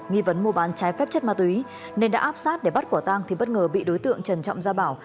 nghi vấn mua bán trái phép chất ma túy nên đã áp sát để bắt quả tang thì bất ngờ bị đối tượng trần trọng gia bảo